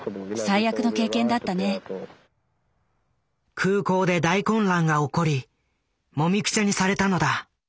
空港で大混乱が起こりもみくちゃにされたのだ。